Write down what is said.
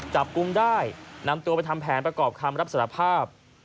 กุมได้นำตัวไปทำแผนประกอบคำรับสารภาพ